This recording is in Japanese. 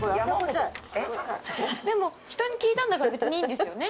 でも人に聞いたんだから別にいいんですよね？